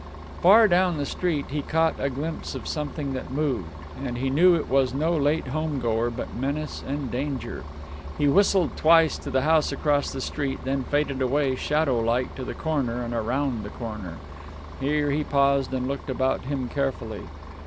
Far down the street he caught a glimpse of something that moved. And he knew it was no late home goer, but menace and danger. He whistled twice to the house across the street, then faded away shadow like to the corner and around the corner. Here he paused and looked about him carefully.